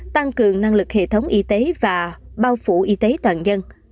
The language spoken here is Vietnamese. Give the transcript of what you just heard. tăng cường năng lực hệ thống y tế và bao phủ y tế toàn dân